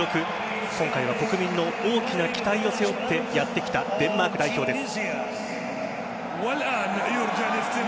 今回は国民の大きな期待を背負ってやってきたデンマーク代表です。